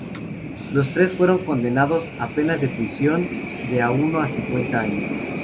Los tres fueron condenados a penas de prisión de uno a cincuenta años.